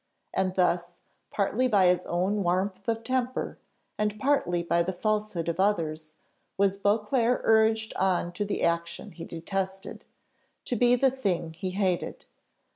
And thus, partly by his own warmth of temper, and partly by the falsehood of others, was Beauclerc urged on to the action he detested, to be the thing he hated.